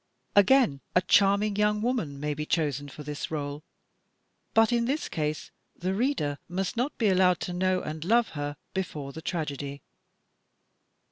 Again, a charming yoimg woman may be chosen for this rdle, but in this case the reader must not be allowed to know and love her before the tragedy.